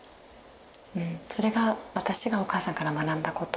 それが私がお母さんから学んだこと。